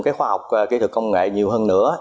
khoa học kỹ thuật công nghệ nhiều hơn nữa